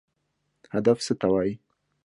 هدف څه ته وایي؟